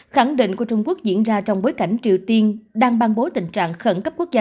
khẳng định của trung quốc diễn ra trong bối cảnh triều tiên đang ban bố tình trạng khẩn cấp quốc gia